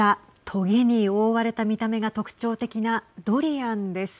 とげに覆われた見た目が特徴的なドリアンです。